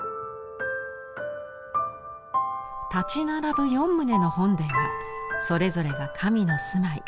立ち並ぶ四棟の本殿はそれぞれが神の住まい。